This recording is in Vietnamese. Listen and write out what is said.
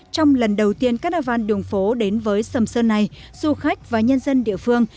trong lần đầu tiên cát nao văn đường phố đến với sâm sơn này du khách và nhân dân địa phương